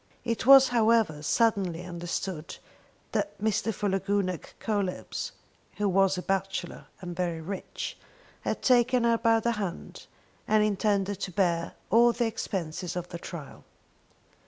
It was, however, suddenly understood that Mr. Philogunac Coelebs, who was a bachelor and very rich, had taken her by the hand, and intended to bear all the expenses of the trial.